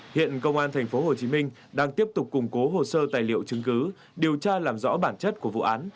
hiện công an tp hcm đang tiếp tục củng cố hồ sơ tài liệu chứng cứ điều tra làm rõ bản chất của vụ án